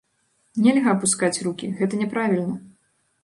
Нельга апускаць рукі, гэта няправільна!